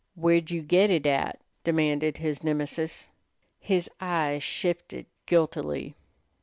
"Where'd you git it at?" demanded his Nemesis. His eyes shifted guiltily.